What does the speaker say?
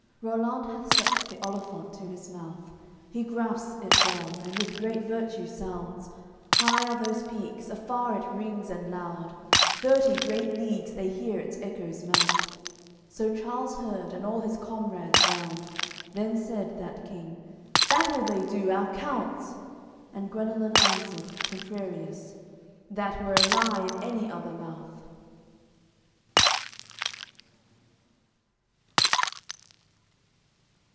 AOI. CXXXIII Rollant hath set the olifant to his mouth, He grasps it well, and with great virtue sounds. High are those peaks, afar it rings and loud, Thirty great leagues they hear its echoes mount. So Charles heard, and all his comrades round; Then said that King: "Battle they do, our counts!" And Guenelun answered, contrarious: "That were a lie, in any other mouth."